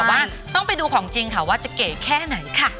แต่ว่าต้องไปดูของจริงค่ะว่าจะเก๋แค่ไหนค่ะ